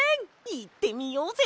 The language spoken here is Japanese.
いってみようぜ！